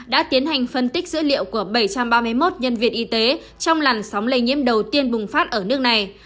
đã tiến hành phân tích dữ liệu của bảy trăm ba mươi một nhân viên y tế trong làn sóng lây nhiễm đầu tiên bùng phát ở nước này